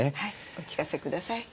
お聞かせください。